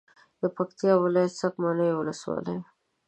د پکتیا ولایت څمکنیو ولسوالي